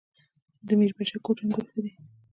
د میربچه کوټ انګور ښه دي